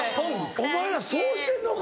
お前らそうしてんのか。